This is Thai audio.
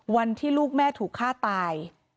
วันที่ลูกแม่ถูกฆ่าตาย